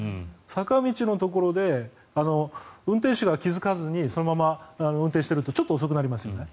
坂道のところで運転手が気付かずにそのまま運転しているとちょっと遅くなりますよね。